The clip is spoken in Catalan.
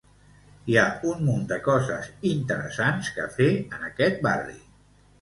Hi ha un munt de coses interessants que fer en aquest barri.